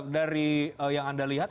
dari yang anda lihat